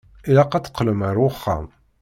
Ilaq ad teqqlem ar wexxam.